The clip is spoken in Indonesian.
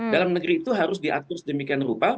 dalam negeri itu harus diatur sedemikian rupa